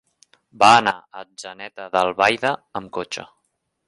Va anar a Atzeneta d'Albaida amb cotxe.